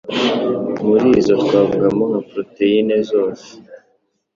Muri zo twavugamo nka proteyini zose